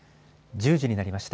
１０時になりました。